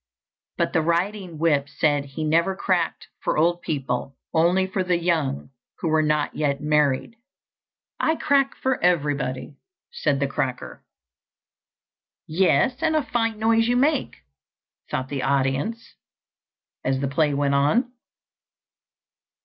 But the riding whip said he never cracked for old people, only for the young who were not yet married. "I crack for everybody," said the cracker. "Yes, and a fine noise you make," thought the audience, as the play went on.